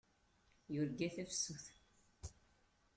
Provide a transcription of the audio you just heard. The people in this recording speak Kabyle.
Yurga tafsut.